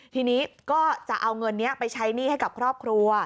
ทีนี้ก็จะเอาเงินนี้ไปใช้หนี้ให้กับครอบครัว